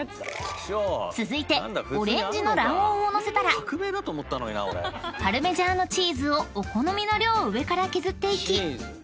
［続いてオレンジの卵黄を載せたらパルメジャーノチーズをお好みの量上から削っていき］